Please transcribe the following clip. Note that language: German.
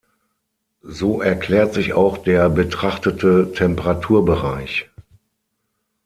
So erklärt sich auch der betrachtete Temperaturbereich.